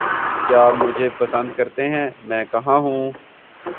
کیا آپ مجھے پسند کرتے ہیں؟ میں کہاں ہوں؟